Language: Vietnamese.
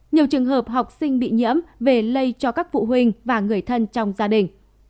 nhiều trường hợp học sinh bị nhiễm về lây cho các phụ huynh và người thân trong gia đình